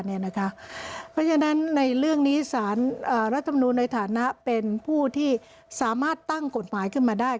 เพราะฉะนั้นในเรื่องนี้สารรัฐมนูลในฐานะเป็นผู้ที่สามารถตั้งกฎหมายขึ้นมาได้